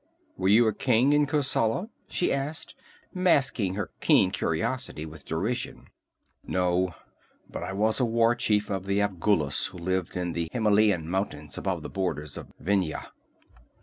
"Were you a king in Kosala?" she asked, masking her keen curiosity with derision. "No. But I was a war chief of the Afghulis who live in the Himelian mountains above the borders of Vendhya.